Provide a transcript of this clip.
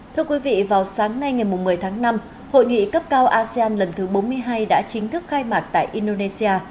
thưa quý vị vào sáng nay ngày một mươi tháng năm hội nghị cấp cao asean lần thứ bốn mươi hai đã chính thức khai mạc tại indonesia